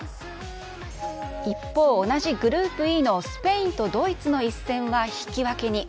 一方、同じグループＥのスペインとドイツの一戦は引き分けに。